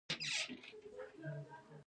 آيا تاسو مفتي ابوخالد لائق احمد غزنوي پيژنئ؟